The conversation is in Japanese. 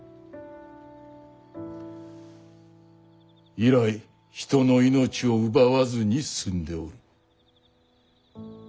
以来人の命を奪わずに済んでおる。